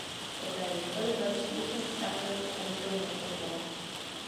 Poté několik let šířil strach mezi elitou metropole.